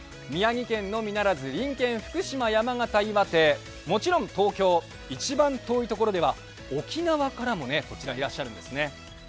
宮城県のみならず、隣県福島、山形、岩手もちろん東京、一番遠いところでは沖縄からもこちら、いらっしゃるんですね。